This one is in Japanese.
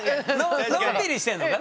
のんびりしてるのかな？